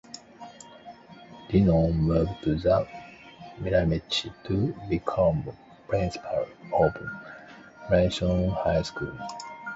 Dionne moved to the Miramichi to become principal of Millerton High School.